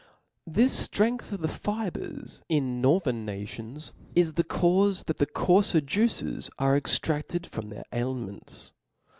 This ftrength of the fibres in northern nations is the caufe that the coarfer juices are extraded from their aliments.